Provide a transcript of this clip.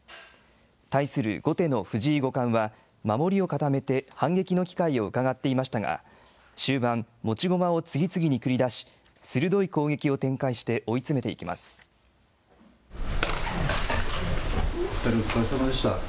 対する後手の藤井五冠は、守りを固めて反撃の機会をうかがっていましたが、終盤、持ち駒を次々に繰り出し、鋭い攻撃を展開して追お疲れさまでした。